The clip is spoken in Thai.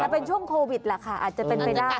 แต่เป็นช่วงโควิดแหละค่ะอาจจะเป็นไปได้